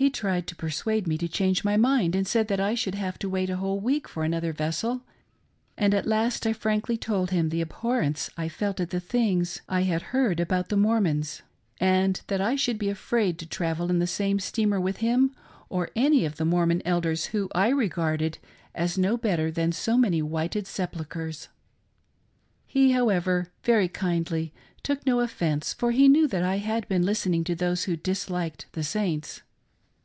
He tried to persuade me to change my mind and said that I should have to wait a whole week for an , other vessel ; and at last I frankly told him the abhorrence I felt at the things I had heard about the Mormons, and that I should be afraid to travel in the same steamer with him or any of the Mormon Elders who I regarded as no better than so many whited sepulchres. He, however, very kindly took no offence for he knew that I had been listening to those who disliked the Saints.